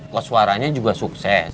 pak suaranya juga sukses